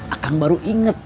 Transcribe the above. akang baru inget